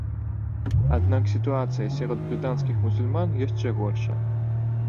Аднак сітуацыя сярод брытанскіх мусульман яшчэ горшая.